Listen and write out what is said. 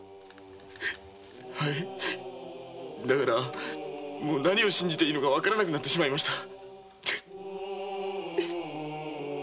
だからもう何を信じていいのかわからなくなりました。